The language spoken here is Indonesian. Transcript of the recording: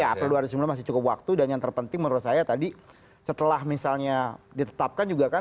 ya april dua ribu sembilan belas masih cukup waktu dan yang terpenting menurut saya tadi setelah misalnya ditetapkan juga kan